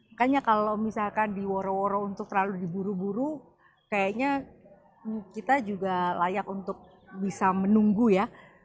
makanya kalau misalkan di woro woro untuk terlalu diburu buru kayaknya kita juga layak untuk bisa menunggu ya